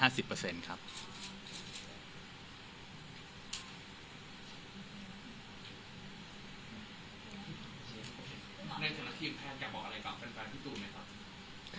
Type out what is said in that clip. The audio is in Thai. ในฐานะทีมแพทย์อยากบอกอะไรกับเป็นฟันพิตูลไหมครับ